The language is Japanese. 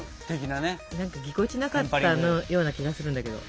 なんかぎこちなかったような気がするんだけど。